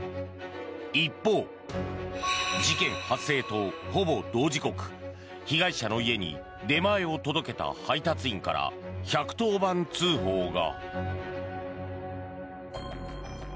一方、事件発生とほぼ同時刻被害者の家に出前を届けた配達員から１１０番通報が。